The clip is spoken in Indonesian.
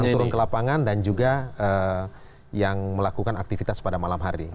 yang turun ke lapangan dan juga yang melakukan aktivitas pada malam hari